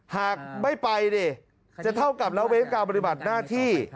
หากไม่ไปดิจะเท่ากับละเว้นการปฏิบัติหน้าที่